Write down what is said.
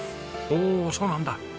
おおそうなんだ。